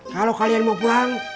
kalau kalian mau pulang